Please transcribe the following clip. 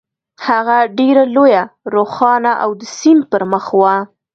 هغه ډېره لویه، روښانه او د سیند پر مخ وه.